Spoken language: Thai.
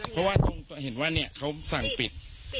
เพราะว่าต้องตัวเห็นว่านี่เขาสั่งปิด